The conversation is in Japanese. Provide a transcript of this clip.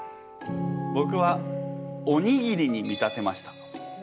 ぼくはおにぎりに見立てました。